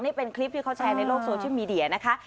นี่เป็นคลิปที่เขาแชร์ในโลกโซเชียลมีเดียนะคะ